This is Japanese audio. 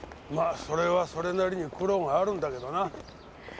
まあそれはそれなりに苦労があるんだけどな。